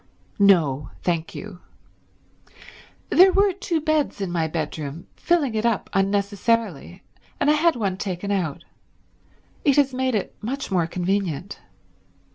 "No, thank you. There were two beds in my bedroom, filling it up unnecessarily, and I had one taken out. It has made it much more convenient."